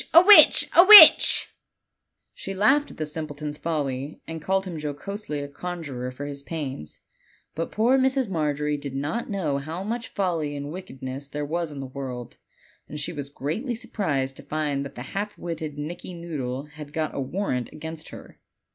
a witch! a witchl" 10 OLD, OLD FAIRY TALES, She laughed at the simpleton's folly, and called him jocosely a "conjuror" for his pains; but poor Mrs. Margery did not know how much folly and wickedness there was in the world, and she was greatly surprised to find that the half witted Nicky Noodle had got a warrant against her.